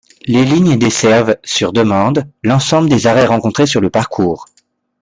Les lignes desservent, sur demande, l'ensemble des arrêts rencontrés sur le parcours.